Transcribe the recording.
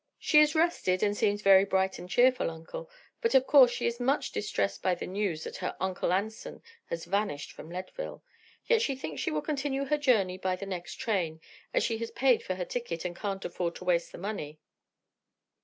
"She is rested, and seems very bright and cheerful, Uncle; but of course she is much distressed by the news that her Uncle Anson has vanished from Leadville. Yet she thinks she will continue her journey by the next train, as she has paid for her ticket and can't afford to waste the money."